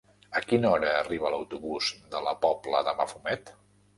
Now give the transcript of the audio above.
A quina hora arriba l'autobús de la Pobla de Mafumet?